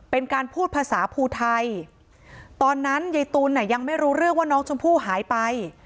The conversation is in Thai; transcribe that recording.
เป็นการพูดภาษาภูไทยตอนนั้นยายตูนยังไม่รู้เรื่องว่าน้องชมพู่หายไป